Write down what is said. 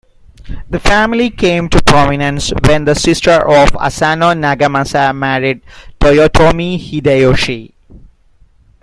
The family came to prominence when the sister of Asano Nagamasa married Toyotomi Hideyoshi.